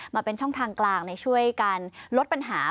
มาเป็นช่องทางกลางในช่วยการลดปัญหา